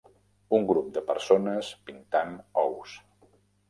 Un grup de persones pintant ous.